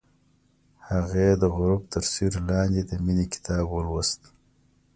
هغې د غروب تر سیوري لاندې د مینې کتاب ولوست.